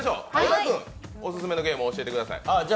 小田君、おすすめのゲーム教えてください。